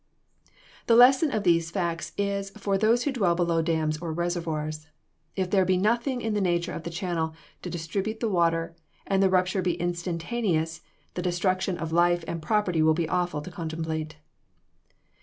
The lesson of these facts is for those who dwell below dams or reservoirs. If there be nothing in the nature of the channel to distribute the water, and the rupture be instantaneous, the destruction of life and property will be awful to contemplate.